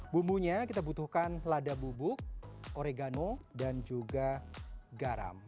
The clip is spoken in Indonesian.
bumbunya kita butuhkan lada bubuk oregano dan juga garam